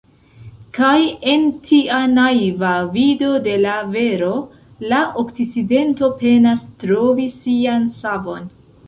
Kaj en tia naiva vido de la vero, la Okcidento penas trovi sian savon.